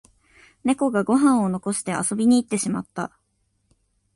ネコがご飯を残して遊びに行ってしまった